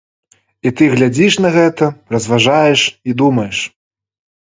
І ты глядзіш на гэта, разважаеш і думаеш.